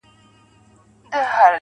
خو ما هچيش له تورو شپو سره يارې کړې ده,